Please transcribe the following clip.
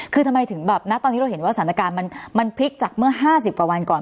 คือทำไมถึงแบบณตอนนี้เราเห็นว่าสถานการณ์มันพลิกจากเมื่อ๕๐กว่าวันก่อน